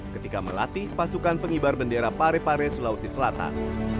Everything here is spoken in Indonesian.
ketika melatih pasukan pengibar bendera pare pare sulawesi selatan